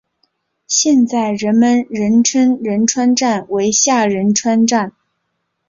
现在人们仍称仁川站为下仁川站。